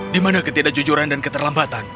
dimana ketidakjujuran dan keterlambatan